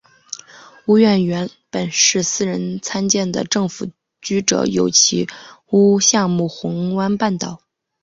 屋苑原本是私人参建的政府居者有其屋项目红湾半岛。